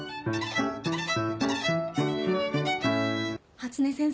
初音先生